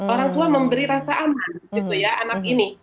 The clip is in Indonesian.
orang tua memberi rasa aman gitu ya anak ini